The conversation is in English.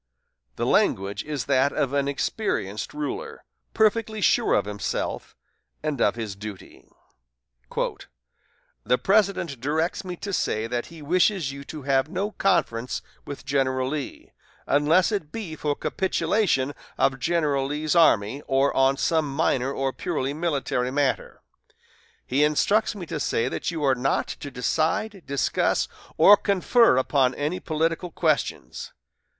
The language is that of an experienced ruler, perfectly sure of himself and of his duty: "The President directs me to say that he wishes you to have no conference with General Lee, unless it be for capitulation of General Lee's army, or on some minor or purely military matter. He instructs me to say that you are not to decide, discuss, or confer upon any political questions.